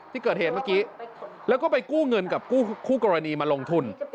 ที่เกิดเหตุเมื่อกี้แล้วก็ไปกู้เงินกับคู่กรณีมาลงทุน